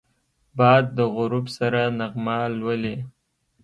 باد د غروب سره نغمه لولي